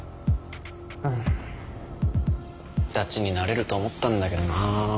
んダチになれると思ったんだけどなぁ。